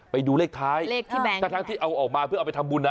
ไปดูเลขท้ายเลขที่แบงค์ทั้งที่เอาออกมาเพื่อเอาไปทำบุญนะ